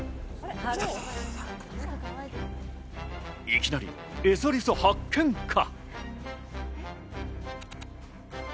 いきなりエゾリス発見か？